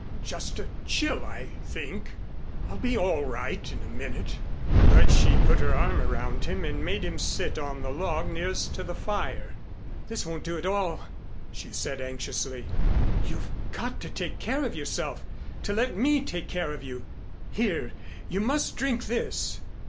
Just a chill, I think. I'll be all right in a minute." But she put her arm around him and made him sit on the log nearest to the fire. "This won't do at all," she said anxiously. "You've got to take care of yourself to let me take care of you. Here! You must drink this."